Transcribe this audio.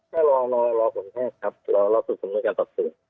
ก็รอผลแพทย์ครับรอสู่สำนวนการสอบสวน